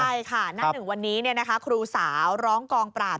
ใช่ค่ะหน้าหนึ่งวันนี้ครูสาวร้องกองปราบ